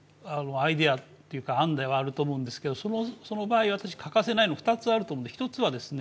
アイデアっていうか案ではあると思うんですけどそのその場合わたし欠かせないの２つあるともう一つはですね